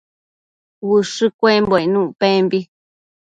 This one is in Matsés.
ushë cuembo icnuc pembi